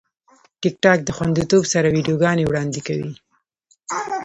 ټیکټاک د خوندیتوب سره ویډیوګانې وړاندې کوي.